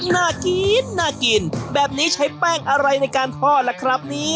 น่ากินแบบนี้ใช้แป้งอะไรในการทอดล่ะครับ